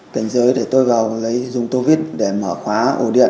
cảnh giới để tôi vào lấy dùng tô vít để mở khóa ổ điện